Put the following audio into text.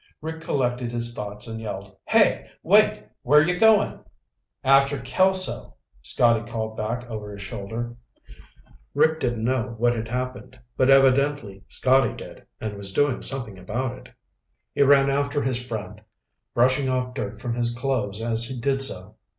Rick collected his thoughts and yelled, "Hey! Wait! Where're you going?" "After Kelso," Scotty called back over his shoulder. Rick didn't know what had happened, but evidently Scotty did and was doing something about it. He ran after his friend, brushing off dirt from his clothes as he did so.